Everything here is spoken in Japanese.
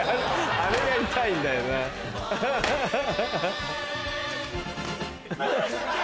あれが痛いんだよな。ハハハ！